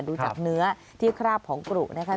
ดูจากเนื้อที่คราบของกรุนะคะ